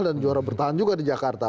dan juara bertahan juga di jakarta